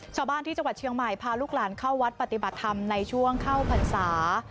ชาวบ้านที่จังหวัดเชียงใหม่พาลูกหลานเข้าวัดปฏิบัติธรรมในช่วงเข้าพรรษา